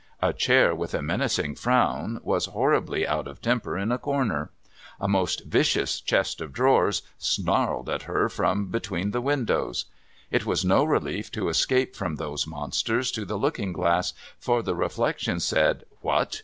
A chair with a menacing frown was horribly out of temper in a corner; a most vicious chest of drawers snarled at her from between the windows. It was no rehef to escape from those monsters to the looking glass, for the reflection said, ' What